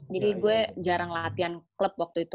jadi gue jarang latihan klub waktu itu